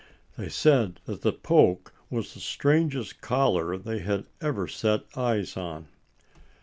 They said that the poke was the strangest collar they had ever set eyes on.